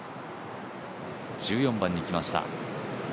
１４番に来ました